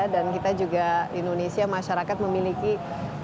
dan kita juga indonesia masyarakat memiliki salah satu alternatif